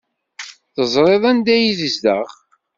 Teẓriḍ anda ay yezdeɣ?